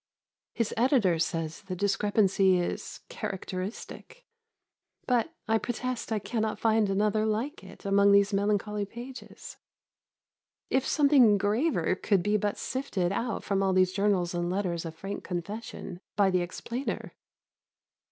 His editor says the discrepancy is "characteristic," but I protest I cannot find another like it among those melancholy pages. If something graver could but be sifted out from all these journals and letters of frank confession, by the explainer!